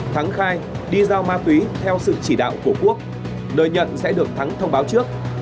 thắng khai đi giao ma túy theo sự chỉ đạo của quốc nơi nhận sẽ được thắng thông báo trước